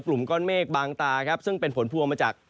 กลุ่มก้อนเมฆบางตาครับซึ่งเป็นผลพวงมาจาก